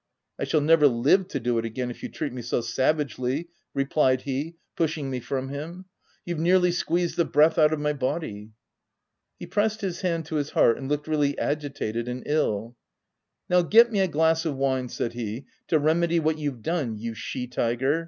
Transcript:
iC I shall never live to do it again, if you treat me so savagely/' replied he, pushing me from him. " You've nearly squeezed the breath out of my body." He pressed his hand to his heart, and looked really agitated and ill. u Now get me a glass of wine," said he, " to remedy what you've done, you she tiger